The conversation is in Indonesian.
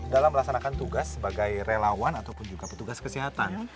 dalam melaksanakan tugas sebagai relawan ataupun juga petugas kesehatan